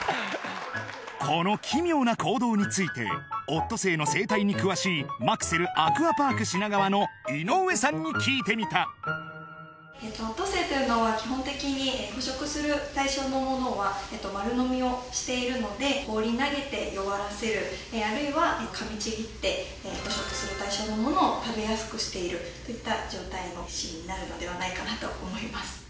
この奇妙な行動についてオットセイの生態に詳しいマクセルアクアパーク品川の井上さんに聞いてみたオットセイというのは基本的に捕食する対象のものは丸飲みをしているので放り投げて弱らせるあるいは噛みちぎって捕食する対象のものを食べやすくしているといった状態のシーンになるのではないかなと思います